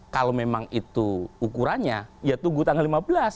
kalau memang itu ukurannya ya tunggu tanggal lima belas